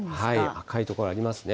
赤い所ありますね。